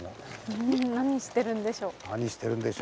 うん何してるんでしょう？